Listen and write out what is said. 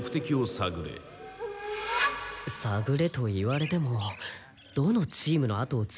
探れと言われてもどのチームのあとをつければよいのやら。